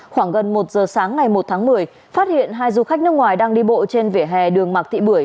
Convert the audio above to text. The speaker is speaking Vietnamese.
khoảng gần một giờ sáng ngày một tháng một mươi phát hiện hai du khách nước ngoài đang đi bộ trên vỉa hè đường mạc thị bưởi